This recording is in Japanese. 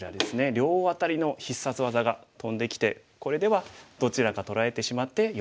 両アタリの必殺技が飛んできてこれではどちらか取られてしまってよくないですね。